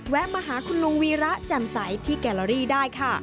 มาหาคุณลุงวีระแจ่มใสที่แกลอรี่ได้ค่ะ